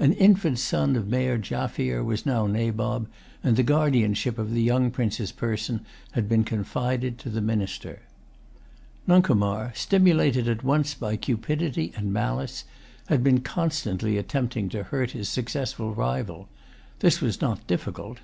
An infant son of Meer Jaffier was now nabob; and the guardianship of the young prince's person had been confided to the minister.[Pg 132] Nuncomar, stimulated at once by cupidity and malice, had been constantly attempting to hurt his successful rival. This was not difficult.